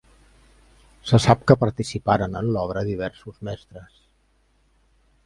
Se sap que participaren en l'obra diversos mestres.